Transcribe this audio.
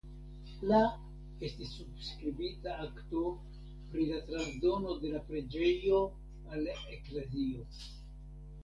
La estis subskribita akto pri la transdono de la preĝejo al la eklezio.